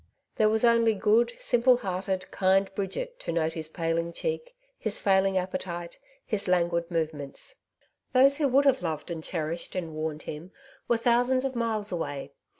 There was only good, simple hearted, kind Bridget to note his paling cheek, his failing appetite, his lan guid movements. Those who would have loved and cherished and warned him, were thousands of miles away.